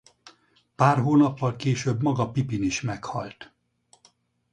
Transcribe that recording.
Pár hónappal később maga Pipin is meghalt.